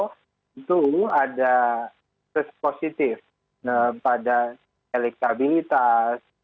tentu ada positif pada elektabilitas